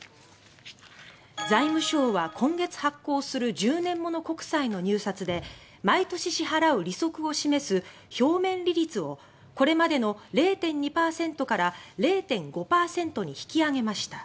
財務省は、今月発行する１０年物国債の入札で毎年支払う利息を示す表面利率をこれまでの０．２％から０．５％に引き上げました。